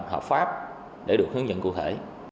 học pháp để được hướng dẫn cụ thể